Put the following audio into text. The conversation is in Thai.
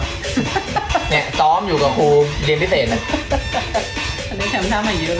เนี่ยซ้อมอยู่กับครูเรียนพิเศษนะ